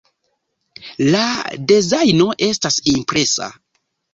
La dezajno estas impresa.